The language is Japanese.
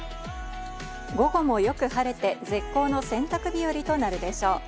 午後もよく晴れて絶好の洗濯日和となるでしょう。